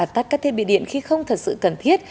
tắt các thiết bị điện khi không thật sự cần thiết